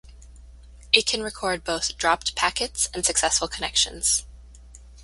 It can record both dropped packets and successful connections.